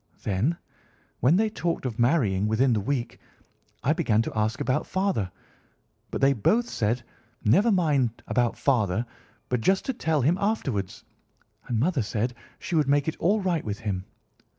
Then, when they talked of marrying within the week, I began to ask about father; but they both said never to mind about father, but just to tell him afterwards, and mother said she would make it all right with him.